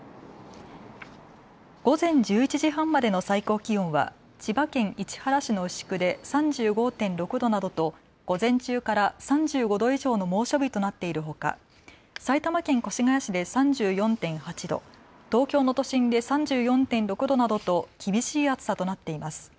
午前１１時半までの最高気温は千葉県市原市の牛久で３５．６度などと午前中から３５度以上の猛暑日となっているほか埼玉県越谷市で３４．８度、東京の都心で３４．６度などと厳しい暑さとなっています。